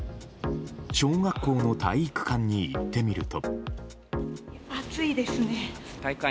小学校の体育館に行ってみると。